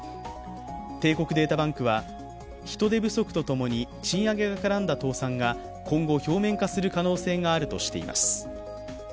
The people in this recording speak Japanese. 帝国データバンクは人手不足とともに賃上げが絡んだ倒産が今後表面化する可能性があるとしています。